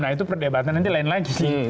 nah itu perdebatan nanti lain lagi sih